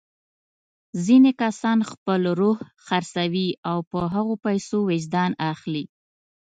ځینې کسان خپل روح خرڅوي او په هغو پیسو وجدان اخلي.